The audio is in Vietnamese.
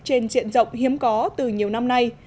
trên diện rộng hiếm có từ nhiều năm nay